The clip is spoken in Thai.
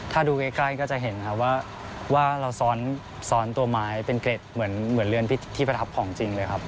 ถ้าดูใกล้ก็จะเห็นครับว่าเราซ้อนตัวไม้เป็นเกร็ดเหมือนเรือนที่ประทับของจริงเลยครับ